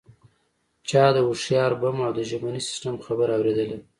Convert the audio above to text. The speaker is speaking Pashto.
چا د هوښیار بم او ژبني سیستم خبره اوریدلې ده